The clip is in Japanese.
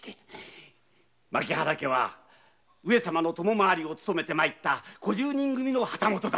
牧原家は上様の供回りを勤めてまいった小十人組の旗本だ。